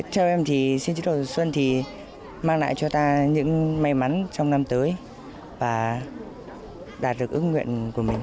theo em thì xin chích đầu xuân thì mang lại cho ta những may mắn trong năm tới và đạt được ước nguyện của mình